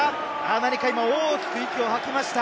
何か今、大きく息を吐きました。